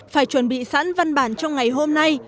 phải chuẩn bị sẵn văn bản trong ngày hôm nay